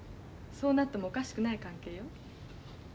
そうなってもおかしくない関係よ。